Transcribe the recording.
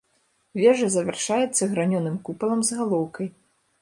Вежа завяршаецца гранёным купалам з галоўкай.